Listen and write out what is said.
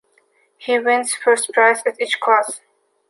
He wins first prize in each class.